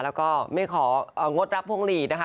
แล้วก็ไม่ของดรับพวงหลีดนะคะ